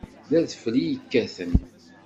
D adfel i yekkaten.